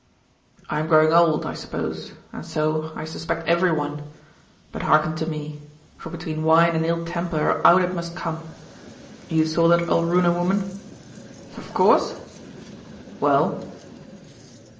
'I am growing old, I suppose, and so I suspect every one. But hearken to me, for between wine and ill temper out it must come. You saw that Alruna woman?' 'Of course.' 'Well?